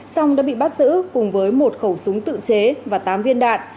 song đã bị bắt giữ cùng với một khẩu súng tự chế và tám viên đạn